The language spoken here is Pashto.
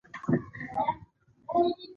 بزګرانو د کورنیو اړتیاوو لپاره تل کار کاوه.